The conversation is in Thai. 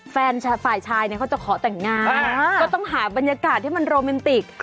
ฝ่ายชายเนี่ยเขาจะขอแต่งงานก็ต้องหาบรรยากาศที่มันโรแมนติก